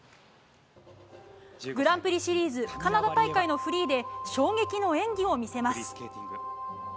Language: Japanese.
グランプリシリーズカナダ大会のフリーで、衝撃の演技を見せます。